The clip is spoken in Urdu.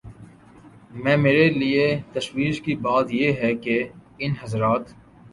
میں میرے لیے تشویش کی بات یہ ہے کہ ان حضرات